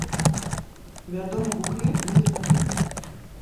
Вядома, буклет мы зрабілі.